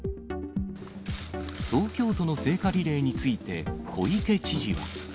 東京都の聖火リレーについて、小池知事は。